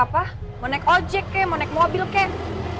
mau naik ojek kek mau naik mobil ken